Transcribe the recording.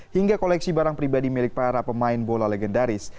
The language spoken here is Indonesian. hingga koleksi barang pribadi milik para pemain bola legendaris